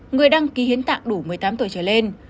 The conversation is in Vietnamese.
người đăng ký hiến tạng đủ một mươi tám tuổi trở lên